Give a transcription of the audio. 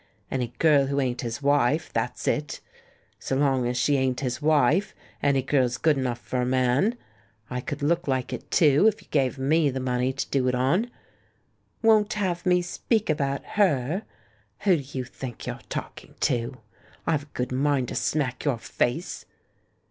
Any girl who ain't his wife, that's it! So long as she ain't his wife, any girl's good enough for a man. I could look like it, too, if you gave me the money to do it on. 'Won't have me speak about her'? Who do you think you're talking to? I've a good mind to smack your face!"